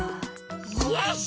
よし！